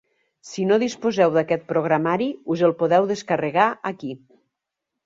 Si no disposeu d'aquest programari, us el podeu descarregar aquí.